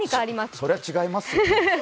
それは違いますよね。